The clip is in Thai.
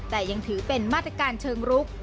แต่ยังถือเป็นมาตรการเชิงรุก